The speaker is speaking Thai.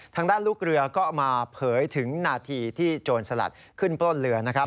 ทางด้านลูกเรือก็มาเผยถึงนาทีที่โจรสลัดขึ้นปล้นเรือนะครับ